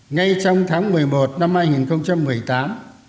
ngay trong tháng một mươi một năm hai nghìn một mươi tám